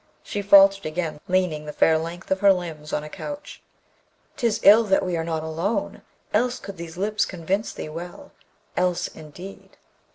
She faltered again, leaning the fair length of her limbs on a couch, ''Tis ill that we are not alone, else could these lips convince thee well: else indeed!'